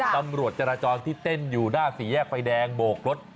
ตำรวจจราจรที่เต้นอยู่หน้าสี่แยกไฟแดงโบกรถ